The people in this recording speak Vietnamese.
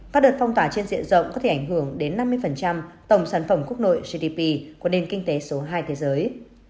các đợt phong tỏa trên diện rộng có thể ảnh hưởng đến năm mươi tổng sản phẩm quốc nội gdp của nền kinh tế số hai thế giới